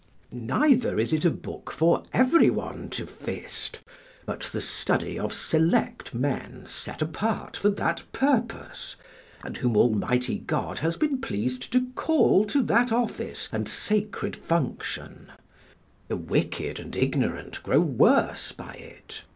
Neither is it a book for everyone to fist, but the study of select men set apart for that purpose, and whom Almighty God has been pleased to call to that office and sacred function: the wicked and ignorant grow worse by it.